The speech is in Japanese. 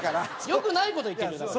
よくない事言ってるよ。